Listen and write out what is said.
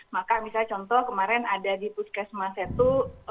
maka misalnya contoh kemarin ada di puskesmas itu